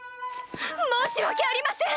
申し訳ありません！